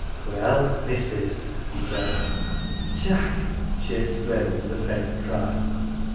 "Well, missus?" he said. " Jack !" she exclaimed, with a faint cry.